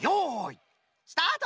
スタート！